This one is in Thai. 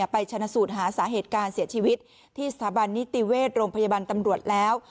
ชนะสูตรหาสาเหตุการเสียชีวิตที่สถาบันนิติเวชโรงพยาบาลตำรวจแล้ว